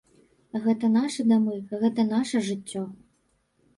Гэта нашы дамы, гэта наша жыццё.